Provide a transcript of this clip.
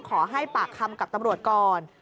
ขอให้ปากคำกับตำรวจก่อน